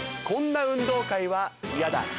「こんな運動会は嫌だ」？